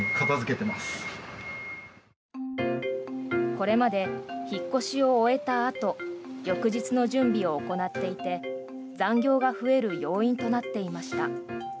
これまで引っ越しを終えたあと翌日の準備を行っていて残業が増える要因となっていました。